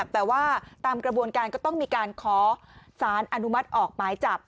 แต่ว่าตามกระบวนการก็ต้องมีการขอสารอนุมัติออกหมายจับ